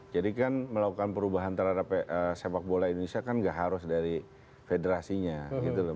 jadi kan melakukan perubahan terhadap sepak bola indonesia kan nggak harus dari federasinya gitu loh